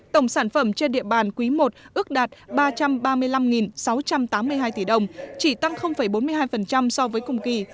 tổng sản phẩm trên địa bàn quý i ước đạt ba trăm ba mươi năm sáu trăm tám mươi hai tỷ đồng chỉ tăng bốn mươi hai so với cùng kỳ